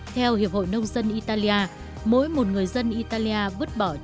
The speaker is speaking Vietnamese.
theo hiệp hội nông dân italia mỗi một người dân italia vứt bỏ trung tâm